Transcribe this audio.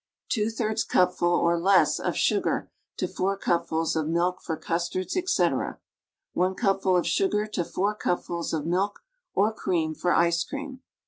3 cupful, or less, of sugar to 4 cupfuls of milk for custards, etc. 1 cupful of sugar to 4 cui)fuls of milk or cream for ice cream.